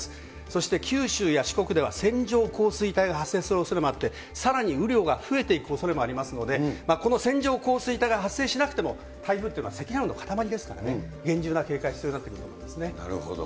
そして九州や四国では線状降水帯が発生するおそれもあって、さらに雨量が増えていくおそれもありますので、この線状降水帯が発生しなくても、台風というのは積乱雲の固まりですからね、厳重な警戒が必要にななるほど。